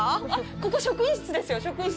ここ職員室ですよ、職員室。